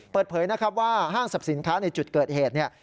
เปิดเผยนะครับว่าห้างสรรพสินค้าในจุดเกิดเหตุเนี่ย